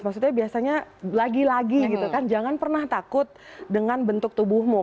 maksudnya biasanya lagi lagi gitu kan jangan pernah takut dengan bentuk tubuhmu